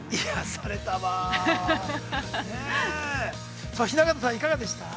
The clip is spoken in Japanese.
さあ雛形さん、いかがでした？